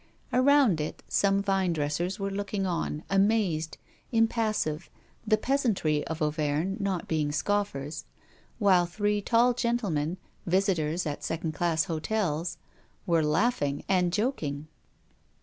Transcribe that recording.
Around it, some vinedressers were looking on, amazed, impassive, the peasantry of Auvergne not being scoffers, while three tall gentlemen, visitors at second class hotels, were laughing and joking.